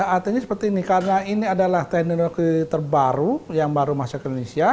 artinya seperti ini karena ini adalah teknologi terbaru yang baru masuk ke indonesia